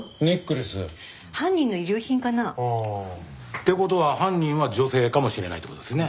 って事は犯人は女性かもしれないって事ですね。